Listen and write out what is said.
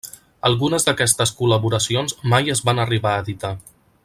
Algunes d'aquestes col·laboracions mai es van arribar a editar.